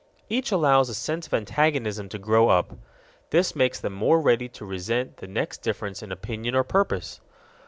Each allows a sense of antagonism to grow up. This makes them more ready to resent the next difference in opinion or purpose.